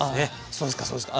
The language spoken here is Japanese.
そうですかそうですか。